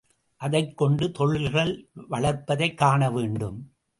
அதைக் கொண்டு தொழில்கள் வளர்ப்பதைக் காண வேண்டும்.